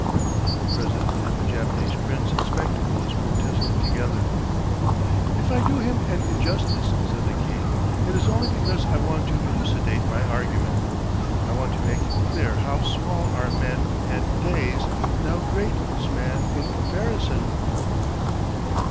The president and the Japanese prince in spectacles protested together. 'If I do him an injustice,' said the king, 'it is only because I want to elucidate my argument. I want to make it clear how small are men and days, and how great is man in comparison....